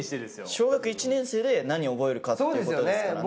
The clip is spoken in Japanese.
小学１年生で何を覚えるかっていうことですからね。